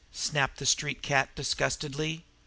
snapped the street cat disgustedly.